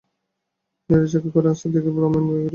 নীরজাকে ঘরে আসতে দেখে রমেন বেরিয়ে গেল।